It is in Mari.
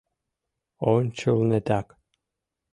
Ончылнетак.